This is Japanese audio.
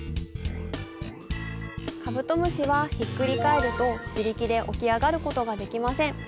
カブトムシはひっくり返ると自力で起き上がる事ができません。